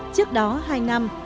trước đó hai năm